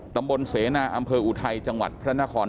ตำบลเสนาอำเภออุทัยจังหวัดพระนคร